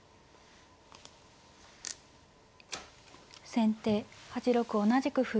先手８六同じく歩。